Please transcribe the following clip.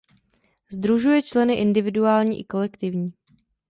Sdružuje členy individuální i kolektivní.